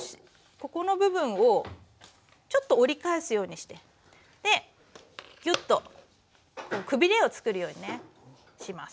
ここの部分をちょっと折り返すようにしてギュッとくびれをつくるようにねします。